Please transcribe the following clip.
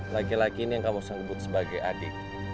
laki laki ini yang kamu sebut sebagai adik